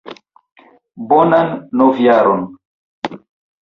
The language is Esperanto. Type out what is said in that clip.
Bonan Novjaron!